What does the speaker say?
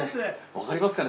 分かりますかね？